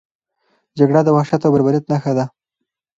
جګړه د وحشت او بربریت نښه ده.